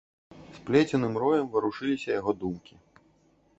Сплеценым роем варушыліся яго думкі.